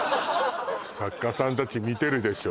作家さん達見てるでしょ